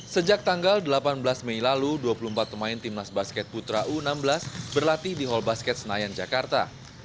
sejak tanggal delapan belas mei lalu dua puluh empat pemain timnas basket putra u enam belas berlatih di hall basket senayan jakarta